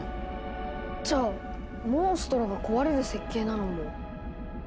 じゃあモンストロが壊れる設計なのも？